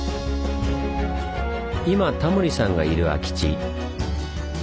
今タモリさんがいる空き地